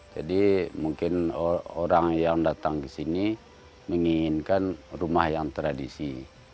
jadi mungkin orang yang datang ke sini menginginkan rumah yang tradisi